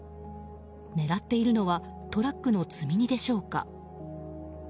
狙っているのはトラックの積み荷でしょうか。